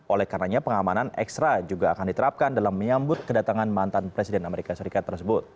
oleh karenanya pengamanan ekstra juga akan diterapkan dalam menyambut kedatangan mantan presiden amerika serikat tersebut